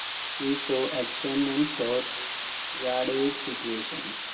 He saw action on short yardage situations.